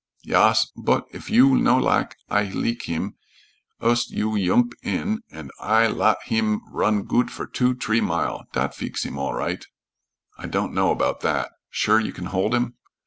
"Yas, bot if you no lak I leek heem, ust you yoomp in und I lat heem run goot for two, t'ree mile. Dot feex heem all right." "I don't know about that. Sure you can hold him?"